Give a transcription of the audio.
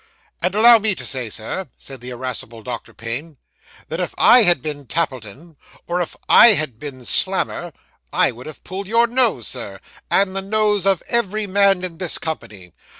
'And allow me to say, Sir,' said the irascible Doctor Payne, 'that if I had been Tappleton, or if I had been Slammer, I would have pulled your nose, Sir, and the nose of every man in this company.